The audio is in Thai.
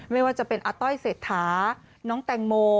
ไม่ว่าจะเป็นอาต้อยเศรษฐาน้องแตงโม